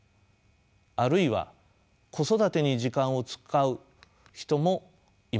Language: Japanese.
あるいは子育てに時間を使う人もいます。